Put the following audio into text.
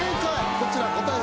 こちら答え